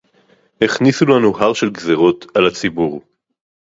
הכניסו לנו הר של גזירות על הציבור